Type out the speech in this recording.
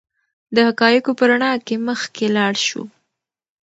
د حقایقو په رڼا کې مخکې لاړ شو.